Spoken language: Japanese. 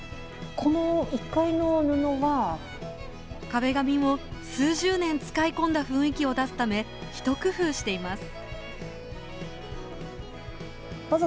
壁紙も数十年使い込んだ雰囲気を出すため一工夫しています。